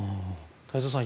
太蔵さん